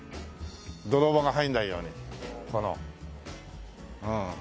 泥棒が入んないようにこの。